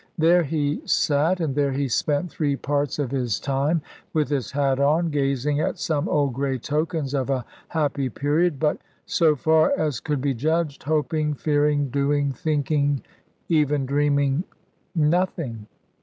There he sate, and there he spent three parts of his time with his hat on, gazing at some old grey tokens of a happy period, but (so far as could be judged) hoping, fearing, doing, thinking, even dreaming nothing!